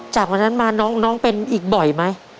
จากวันนั้นมาน้องเป็นอีกบ่อยไหม